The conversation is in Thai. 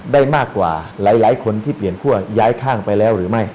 ได้มากกว่าหลายคนที่เปลี่ยนคั่วย้ายข้างไปแล้วหรือไม่